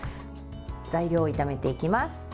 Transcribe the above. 材料を炒めていきます。